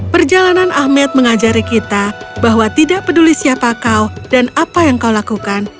perjalanan ahmed mengajari kita bahwa tidak peduli siapa kau dan apa yang kau lakukan